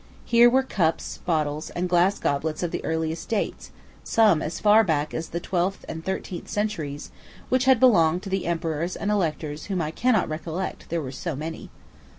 Here were cups, bottles, and glass goblets of the earliest dates, some as far back as the twelfth and thirteenth centuries, which had belonged to emperors and electors whom I cannot recollect, they were so many.